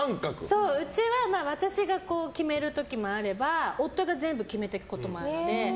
そう、うちは私が決める時もあれば夫が全部決めていくこともあるので。